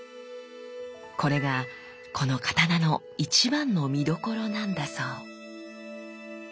これがこの刀の一番の見どころなんだそう。